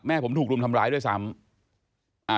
ผมถูกรุมทำร้ายด้วยซ้ำ